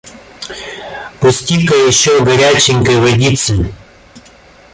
Пусти-ка еще горяченькой водицы.